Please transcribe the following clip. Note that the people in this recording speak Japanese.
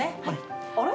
あれ？